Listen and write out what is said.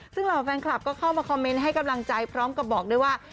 ซึ่งเหล่าแฟนคลับก็เข้ามาคอมเมนต์ให้กำลังใจพร้อมกับบอกด้วยว่า